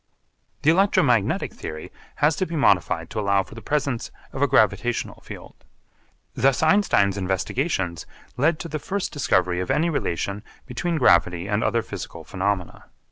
The electromagnetic theory has to be modified to allow for the presence of a gravitational field. Thus Einstein's investigations lead to the first discovery of any relation between gravity and other physical phenomena.